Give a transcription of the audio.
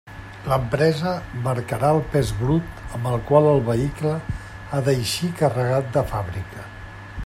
L'empresa marcarà el pes brut amb el qual el vehicle ha d'eixir carregat de fàbrica.